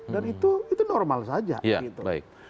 dan itu normal saja gitu